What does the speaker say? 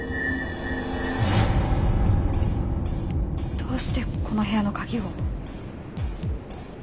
どうしてこの部屋の鍵を？